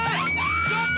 ちょっと！